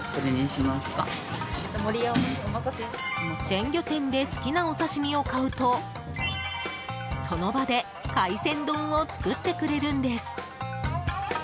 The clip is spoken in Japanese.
鮮魚店で好きなお刺し身を買うとその場で海鮮丼を作ってくれるんです。